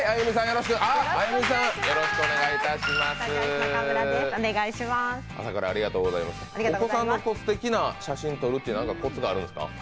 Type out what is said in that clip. お子さんのすてきな写真を撮るって何かコツがあるんですか？